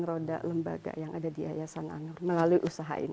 roda lembaga yang ada di yayasan anur melalui usaha ini